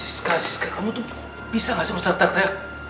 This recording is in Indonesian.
siska siska kamu tuh bisa gak sih mau start track track